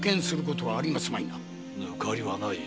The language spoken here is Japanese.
ぬかりはない。